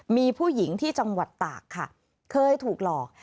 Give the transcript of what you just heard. มีผู้หญิงที่จังหวัดตากค่ะเคยถูกหลอก